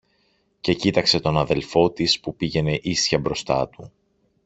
και κοίταξε τον αδελφό της που πήγαινε ίσια μπροστά του